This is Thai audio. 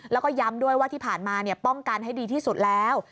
แล้วก็ย้ำด้วยว่าที่ผ่านมาป้องกันให้ดีที่สุดแล้ว